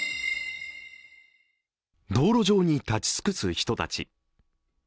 道路上に立ち尽くす人たち。